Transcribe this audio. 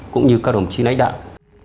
cũng như các đồng chí nách đạo